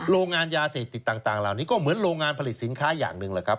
โรงงานยาเสพติดต่างเหล่านี้ก็เหมือนโรงงานผลิตสินค้าอย่างหนึ่งแหละครับ